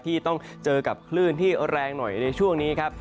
ที่ต้องเจอกับคลื่นที่แรงหน่อยในช่วงนี้ครับ